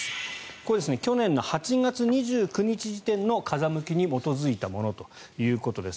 これは去年８月２９日時点の風向きに基づいたものということです。